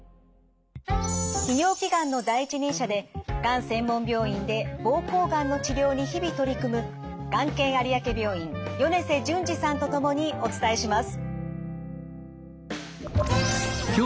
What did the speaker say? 泌尿器がんの第一人者でがん専門病院で膀胱がんの治療に日々取り組むがん研有明病院米瀬淳二さんと共にお伝えします。